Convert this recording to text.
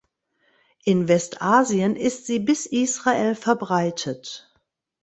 In Westasien ist sie bis Israel verbreitet.